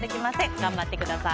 頑張ってください。